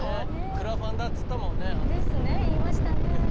クラファンだっつったもんねあの時ね。ですね言いましたね。